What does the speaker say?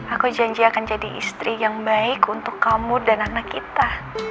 aku janji akan jadi istri yang baik untuk kamu dan anak kita